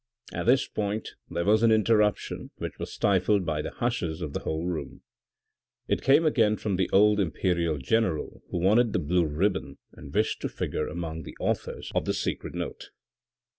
At this point there was an interruption which was stifled by the hushes of the whole room. It came again from the old Imperial general who wanted the blue ribbon and wished to figure among the authors of the secret note.